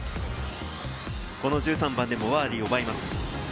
１３番でもバーディーを奪います。